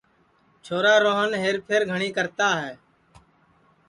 چھورا روہن ہئر پھئر گھٹؔی کرتا ہے